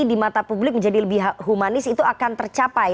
di mata publik menjadi lebih humanis itu akan tercapai